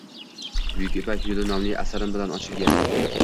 “Buyuk ipak yo’li” nomli asarim bilan ochilgan.